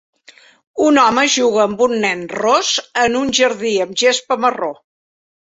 Un home juga amb un nen ros en un jardí amb gespa marró.